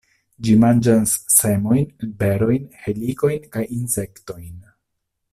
Ĝi manĝas semojn, berojn, helikojn kaj insektojn.